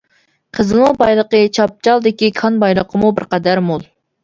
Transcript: قېزىلما بايلىقى چاپچالدىكى كان بايلىقىمۇ بىرقەدەر مول.